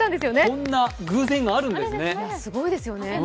こんな偶然があるんですね。